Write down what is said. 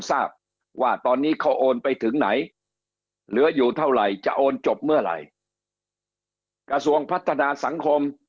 ทราบว่าตอนนี้เขาโอนไปถึงไหนเหลืออยู่เท่าไหร่จะโอนจบเมื่อไหร่กระทรวงพัฒนาสังคม